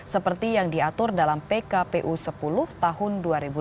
seperti yang diatur dalam pkpu sepuluh tahun dua ribu delapan belas